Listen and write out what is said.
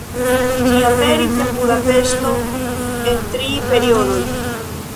Ĝi aperis en Budapeŝto en tri periodoj.